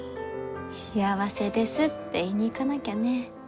幸せですって言いに行かなきゃね。